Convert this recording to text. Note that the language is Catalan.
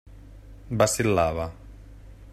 Vacil·lava.